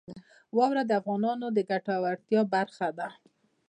واوره د افغانانو د ګټورتیا برخه ده.